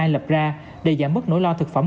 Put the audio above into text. lập ra để giảm bất nỗi lo thực phẩm